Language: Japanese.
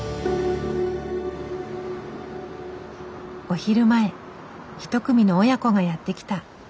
お昼前一組の親子がやって来た。